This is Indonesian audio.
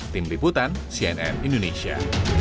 tim liputan cnn indonesia